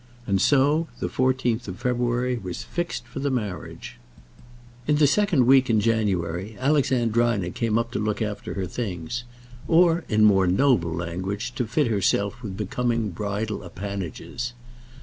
And so the fourteenth of February was fixed for the marriage. In the second week in January Alexandrina came up to look after her things; or, in more noble language, to fit herself with becoming bridal appanages.